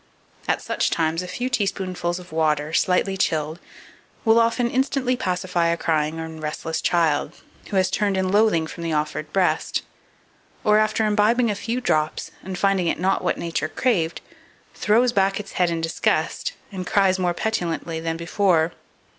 At such times, a few teaspoonfuls of water, slightly chilled, will often instantly pacify a crying and restless child, who has turned in loathing from the offered breast; or, after imbibing a few drops, and finding it not what nature craved, throws back its head in disgust, and cries more petulantly than before.